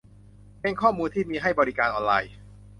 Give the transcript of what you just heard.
เป็นข้อมูลที่มีให้บริการออนไลน์